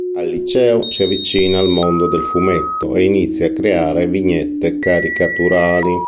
Al liceo, si avvicina al mondo del fumetto e inizia a creare vignette caricaturali.